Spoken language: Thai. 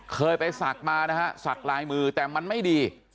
เคยไปศักดิ์มานะฮะสักลายมือแต่มันไม่ดี